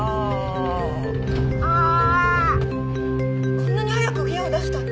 こんなに早くギアを出した。